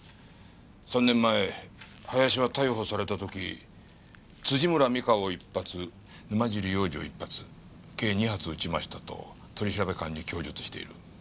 ３年前林は逮捕された時「辻村美香を１発沼尻洋二を１発計２発撃ちました」と取調官に供述している。